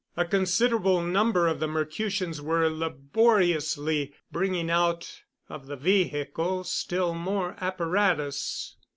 A considerable number of the Mercutians were laboriously bringing out of the vehicle still more apparatus.